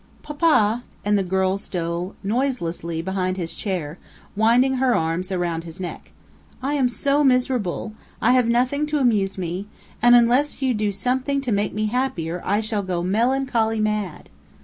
"Papa," and the girl stole noiselessly behind his chair, winding her arms around his neck. "I am so miserable, I have nothing to amuse me, and unless you do something to make me happier, I shall go melancholy mad!"